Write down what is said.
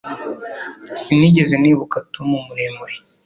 Sinigeze nibuka Tom muremure